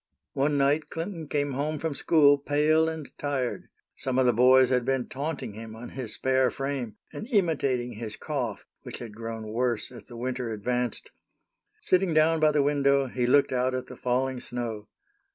One night Clinton came home from school pale and tired. Some of the boys had been taunting him on his spare frame, and imitating his cough, which had grown worse as the winter advanced. Sitting down by the window, he looked out at the falling snow.